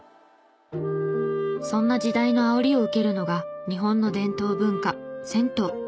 そんな時代のあおりを受けるのが日本の伝統文化銭湯。